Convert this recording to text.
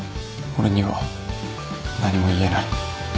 俺には何も言えない。